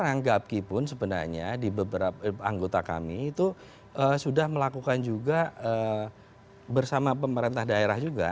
karena sebenarnya di beberapa anggota kami itu sudah melakukan juga bersama pemerintah daerah juga